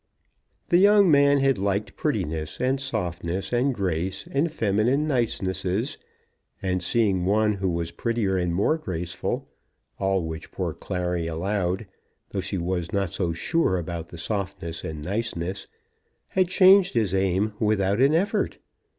The young man had liked prettiness and softness and grace and feminine nicenesses; and seeing one who was prettier and more graceful, all which poor Clary allowed, though she was not so sure about the softness and niceness, had changed his aim without an effort!